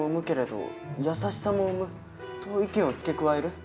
と意見を付け加える？